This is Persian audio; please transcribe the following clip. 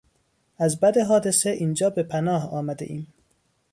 از بد حادثه اینجا به پناه آمدهایم